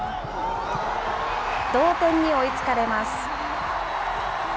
同点に追いつかれます。